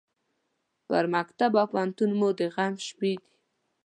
پر مکتب او پوهنتون مو د غم شپې دي